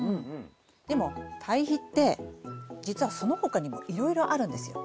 でも堆肥って実はその他にもいろいろあるんですよ。